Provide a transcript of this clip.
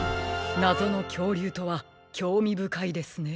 なぞのきょうりゅうとはきょうみぶかいですね。